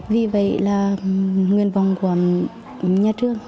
vì vậy là nguyên vòng của nhà trường